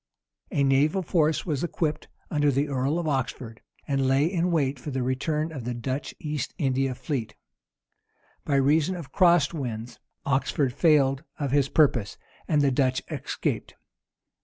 A naval force was equipped under the earl of Oxford,[] and lay in wait for the return of the Dutch East India fleet. By reason of cross winds, Oxford tailed of his purpose, and the Dutch escaped.